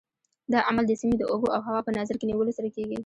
دا عمل د سیمې د اوبو او هوا په نظر کې نیولو سره کېږي.